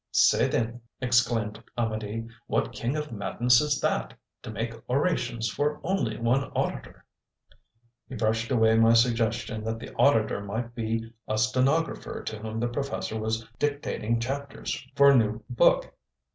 "Say then!" exclaimed Amedee "what king of madness is that? To make orations for only one auditor!" He brushed away my suggestion that the auditor might be a stenographer to whom the professor was dictating chapters for a new book.